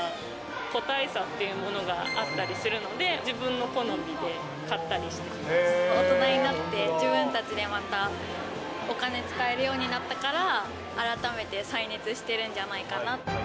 個体差っていうものがあったりするので、大人になって、自分たちでまたお金使えるようになったから、改めて再熱してるんじゃないかなって。